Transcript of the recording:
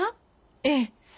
ええ。